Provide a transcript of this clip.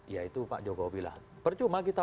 ya itu pak jokowi lah percuma kita